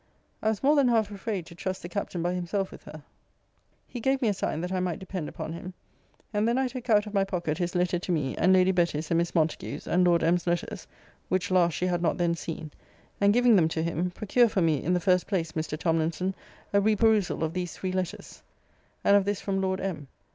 I was more than half afraid to trust the Captain by himself with her. He gave me a sign that I might depend upon him. And then I took out of my pocket his letter to me, and Lady Betty's and Miss Montague's, and Lord M.'s letters (which last she had not then seen); and giving them to him, procure for me, in the first place, Mr. Tomlinson, a re perusal of these three letters; and of this from Lord M.